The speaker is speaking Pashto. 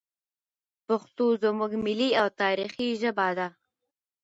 پښتو زموږ ملي او تاریخي ژبه ده.